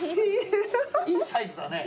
いいサイズだね。